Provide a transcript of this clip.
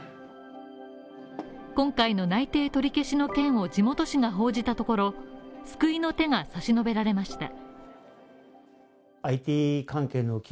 今回の内定取り消しの件を地元紙が報じたところ、救いの手が差し伸べられました。